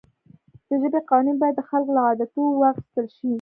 د ژبې قوانین باید د خلکو له عادتونو واخیستل شي.